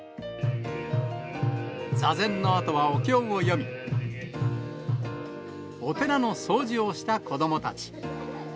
座禅のあとはお経を読み、お寺の掃除をした子どもたち。